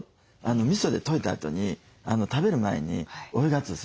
みそで溶いたあとに食べる前に追いがつおするんですよ。